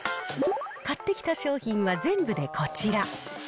買ってきた商品は全部でこちら。